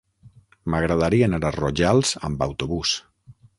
M'agradaria anar a Rojals amb autobús.